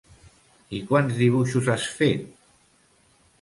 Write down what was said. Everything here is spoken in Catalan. I quants dibuixos has fet?